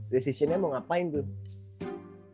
resisinya mau ngapain tuh